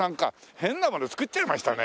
変なもの作っちゃいましたね